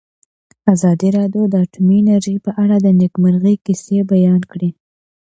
ازادي راډیو د اټومي انرژي په اړه د نېکمرغۍ کیسې بیان کړې.